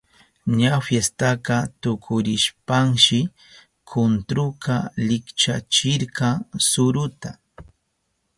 Ña fiestaka tukurishpanshi kuntruka likchachirka suruta.